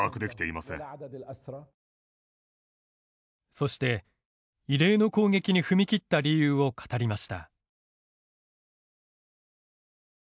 そして異例の攻撃に踏み切った理由を語りました。